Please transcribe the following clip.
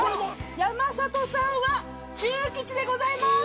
山里さんは中吉でございます。